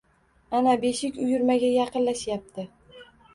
Ana beshik uyurmaga yaqinlashyapti.